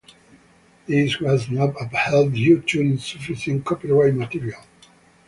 This was not upheld due to insufficient copyright material.